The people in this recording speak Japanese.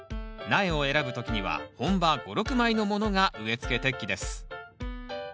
苗を選ぶ時には本葉５６枚のものが植えつけ適期です。